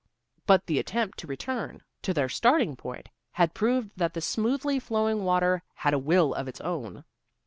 But the attempt to return to their starting point had proved that the smoothly flowing water had a will of its own.